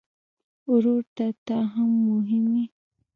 ورور ته ته مهم یې.